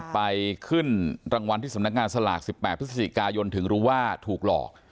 ไปขึ้นรางวัลที่สำนักงานสลาก๑๘พฤศจิกายนถึงรู้ว่าถูกหลอก